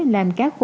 làm cá khô